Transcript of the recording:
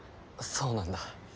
そうなんだ。